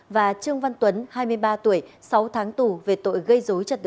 và trương văn tuấn hai mươi ba tuổi sáu tháng tù về tội gây